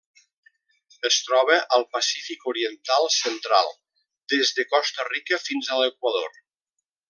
Es troba al Pacífic oriental central: des de Costa Rica fins a l'Equador.